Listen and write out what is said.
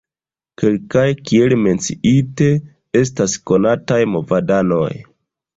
Kelkaj, kiel menciite, estas konataj movadanoj.